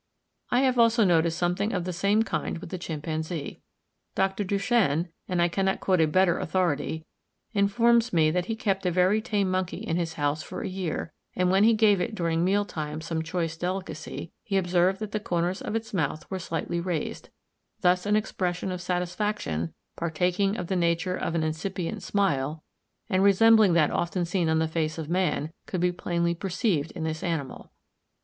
I have also noticed something of the same kind with the chimpanzee. Dr. Duchenne—and I cannot quote a better authority—informs me that he kept a very tame monkey in his house for a year; and when he gave it during meal times some choice delicacy, he observed that the corners of its mouth were slightly raised; thus an expression of satisfaction, partaking of the nature of an incipient smile, and resembling that often seen on the face of main, could be plainly perceived in this animal.